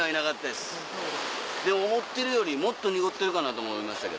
でも思ってるよりもっと濁ってるかなと思いましたけど。